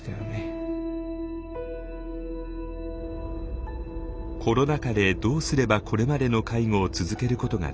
コロナ禍でどうすればこれまでの介護を続けることができるのか。